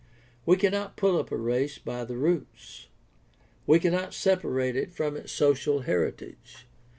We cannot pull up a race by the roots. We cannot separate it from its social heritage.